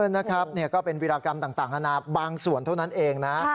นะครับก็เป็นวิรากรรมต่างอาณาบางส่วนเท่านั้นเองนะ